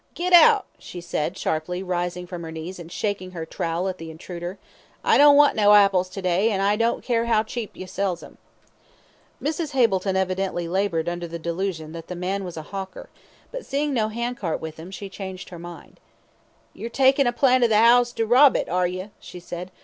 "Git out," she said, sharply, rising from her knees and shaking her trowel at the intruder. "I don't want no apples to day, an' I don't care how cheap you sells 'em." Mrs. Hableton evidently laboured under the delusion that the man was a hawker, but seeing no hand cart with him, she changed her mind. "You're takin' a plan of the 'ouse to rob it, are you?" she said.